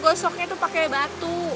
gosoknya tuh pake batu